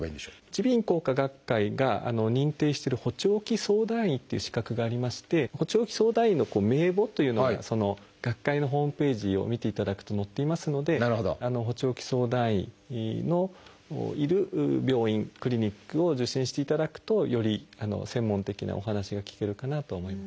耳鼻咽喉科学会が認定してる「補聴器相談医」という資格がありまして補聴器相談医の名簿というのが学会のホームページを見ていただくと載っていますので補聴器相談医のいる病院クリニックを受診していただくとより専門的なお話が聞けるかなとは思います。